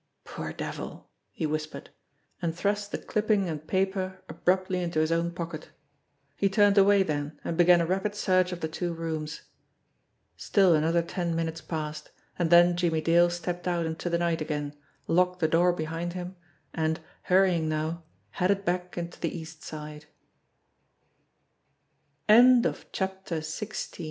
"Poor devil!" he whispered and thrust the clipping and paper abruptly into his own pocket. He turned away then, and began a rapid search of the two rooms. Still another ten minutes passed, and then Jimmie Dale stepped out into the night again, locked the door behind him, and, h